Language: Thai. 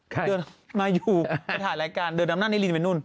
ค่ะมาอยู่ถ่ายรายการเดินนำนั่งให้ลินไปนู้น